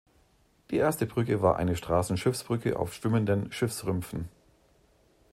Diese erste Brücke war eine Straßen-Schiffsbrücke auf schwimmenden Schiffsrümpfen.